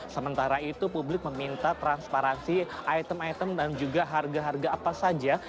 sementara itu publik meminta transparansi item item dan juga harga harga apa saja